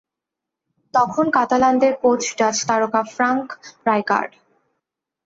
তখন কাতালানদের coach Dutch তারকা ফ্রাঙ্ক রাইকার্ড।